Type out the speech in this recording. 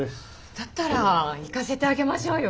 だったら行かせてあげましょうよ。